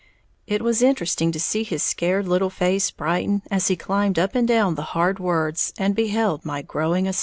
It was interesting to see his scared little face brighten as he climbed up and down the hard words and beheld my growing astonishment.